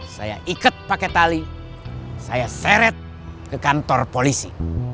saya ikut pakai tali saya seret ke kantor polisi